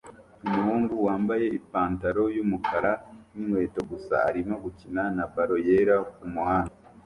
Umuhungu wambaye ipantaro yumukara ninkweto gusa arimo gukina na ballon yera kumuhanda